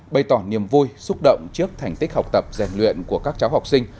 bày tỏ niềm vui xúc động trước thành tích học tập rèn luyện của các cháu học sinh